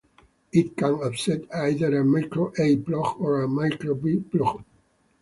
It can accept either a micro-A plug or a micro-B plug.